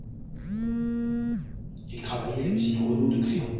Il travaillait à l'usine Renault de Cléon.